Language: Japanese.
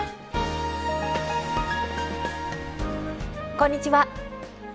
こんにちは。